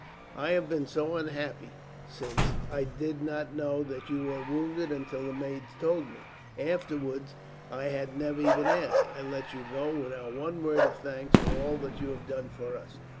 "I have been so unhappy, since. I did not know that you were wounded until the maids told me, afterwards. I had never even asked. I let you go, without one word of thanks for all that you have done for us.